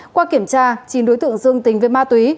qua kiểm tra chín đối tượng dương tính với ma túy